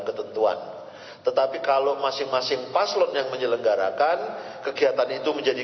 ketentuan tetapi kalau masing masing paslon yang menyelenggarakan kegiatan itu menjadi